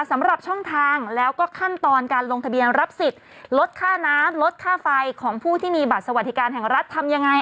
สำหรับช่องทางแล้วก็ขั้นตอนการลงทะเบียนรับสิทธิ์ลดค่าน้ำลดค่าไฟของผู้ที่มีบัตรสวัสดิการแห่งรัฐทำยังไง